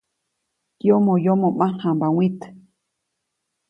Yomoyomo ʼmaŋjamba mwit.